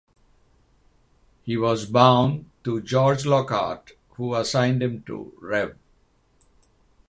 He was bound to George Lockhart who assigned him to Rev.